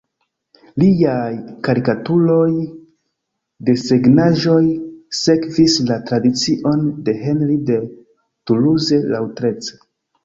Liaj karikaturoj, desegnaĵoj sekvis la tradicion de Henri de Toulouse-Lautrec.